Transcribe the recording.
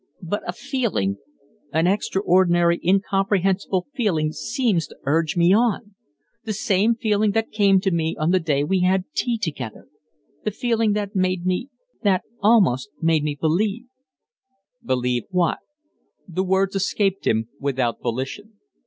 But a feeling an extraordinary, incomprehensible feeling seems to urge me on. The same feeling that came to me on the day we had tea together the feeling that made me that almost made me believe " "Believe what?" The words escaped him without volition.